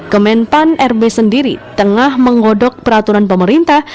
kementerian pan rb sendiri tengah menggodok peraturan pemerintah